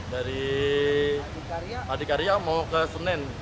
dari adikarya mau ke senen